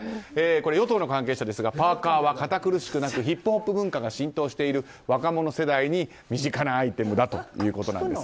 与党の関係者ですがパーカは堅苦しくなくヒップホップ文化が浸透している若者世代に身近なアイテムだということです。